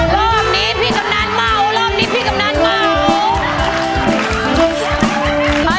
รอบนี้พี่กำนันเมา